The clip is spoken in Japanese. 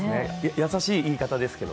優しい言い方ですけど。